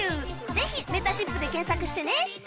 ぜひ「めたしっぷ」で検索してね